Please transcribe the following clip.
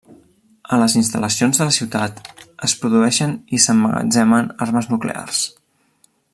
A les instal·lacions de la ciutat es produeixen i s'emmagatzemen armes nuclears.